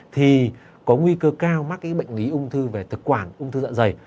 thì có nguy cơ cao mắc cái bệnh lý ung thư về thực quản ung thư dạ dày